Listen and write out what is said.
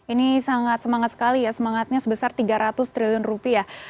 ini sangat semangat sekali ya semangatnya sebesar tiga ratus triliun rupiah